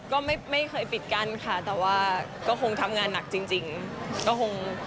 ก็ไม่เคยปิดกั้นค่ะแต่ว่าก็คงทำงานหนักจริงก็คง